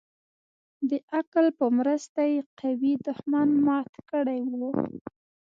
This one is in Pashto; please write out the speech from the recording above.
د عقل په مرسته يې قوي دښمن مات كړى و.